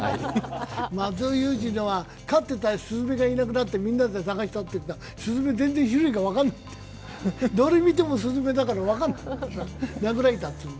松尾は飼ってたスズメがいなくなつてみんなで捜したけど、スズメ全然種類が分からなくてどれ見てもスズメだから分からないって。